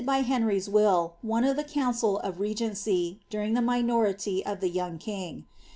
87 ry's will, one of the council of regency, during the minority of the Dg king.